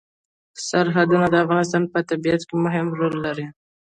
سرحدونه د افغانستان په طبیعت کې مهم رول لري.